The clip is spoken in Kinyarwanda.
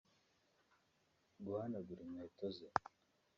guhanagura inkweto ze